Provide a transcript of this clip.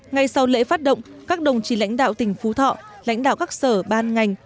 ngay sau lễ phát động các đồng chí lãnh đạo tỉnh phú thọ lãnh đạo các sở ban ngành